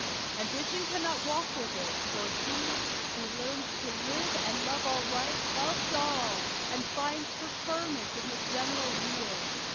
Ambition cannot walk with it; for he Who learns to live and love aright, loves all, And finds preferment in the general weal.